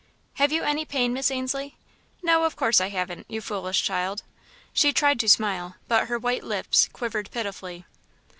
"Have you any pain, Miss Ainslie?" "No, of course I haven't, you foolish child!" She tried to smile, but her white lips quivered pitifully.